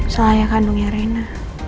soalnya kandungnya rena